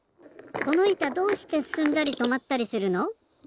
このいたどうしてすすんだりとまったりするの？